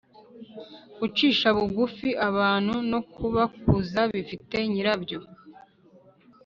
gucisha bugufi abantu no kubakuza bifite Nyirabyo